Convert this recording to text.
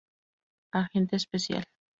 Agente Especial".